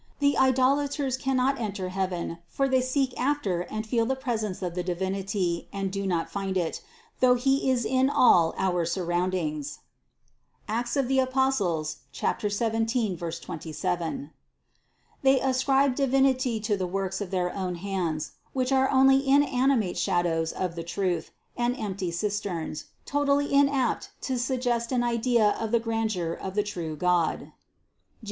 "The idolaters" cannot enter heaven for they seek after and feel the presence of the Divinity and do not find it, though He is in all our surround ings (Act 17, 27). They ascribe Divinity to the works of their own hands, which are only inanimate shadows of the truth and empty cisterns, totally inapt to suggest an idea of the grandeur of the true God (Jer.